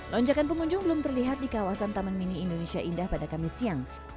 lonjakan pengunjung belum terlihat di kawasan taman mini indonesia indah pada kamis siang